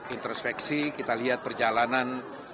introspeksi kita lihat perjalanan